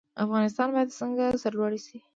افغانستان باید څنګه سرلوړی شي؟